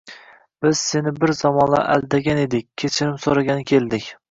Biz seni bir zamonlar aldagan edik, kechirim soʻragani keldik